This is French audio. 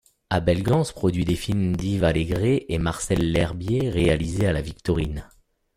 Abel Gance produit les films d'Yves Allégret et Marcel L'Herbier réalisés à La Victorine.